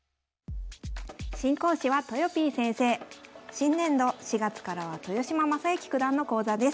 新年度４月からは豊島将之九段の講座です。